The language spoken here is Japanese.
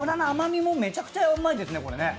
脂の甘みもめちゃくちゃ甘いですね。